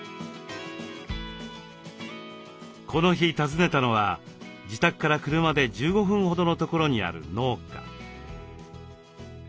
この日訪ねたのは自宅から車で１５分ほどのところにある農家。